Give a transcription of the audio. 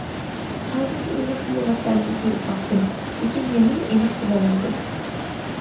خەنزۇچە ئۇيغۇرچە لۇغەتلەرنىمۇ كۆرۈپ باقتىم، لېكىن يەنىلا ئېنىق بىلەلمىدىم.